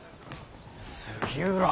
杉浦！